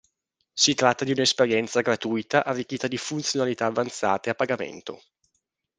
Si tratta di un'esperienza gratuita arricchita di funzionalità avanzate a pagamento.